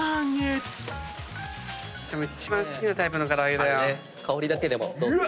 一番好きなタイプの唐揚げだよ。